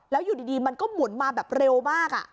แล้วอยู่ดีมันก็หมุนมาแบบเร็วมาก